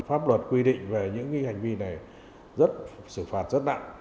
pháp luật quy định về những hành vi này rất xử phạt rất nặng